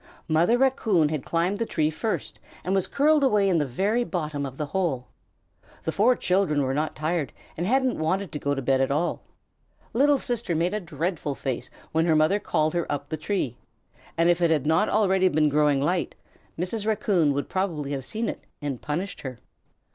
Mother Raccoon had climbed the tree first and was curled away in the very bottom of the hole. The four children were not tired and hadn't wanted to go to bed at all. Little Sister had made a dreadful face when her mother called her up the tree, and if it had not already been growing light, Mrs. Raccoon would probably have seen it and punished her.